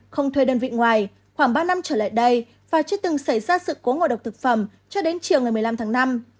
không thuê đơn vị ngoài khoảng ba năm trở lại đây và chưa từng xảy ra sự cố ngộ độc thực phẩm cho đến chiều ngày một mươi năm tháng năm